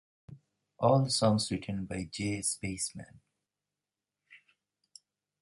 All songs written by J Spaceman.